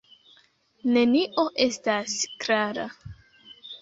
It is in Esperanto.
Nenio estas klara.